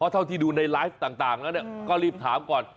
เท่าที่ดูในไลฟ์ต่างแล้วก็รีบถามก่อน